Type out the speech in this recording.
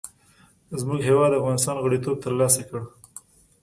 زموږ هېواد افغانستان غړیتوب تر لاسه کړ.